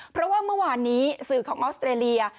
เพราะว่าเมื่อวานนี้สื่อของออสเตรเลีย